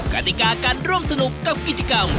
กติกาการร่วมสนุกกับกิจกรรม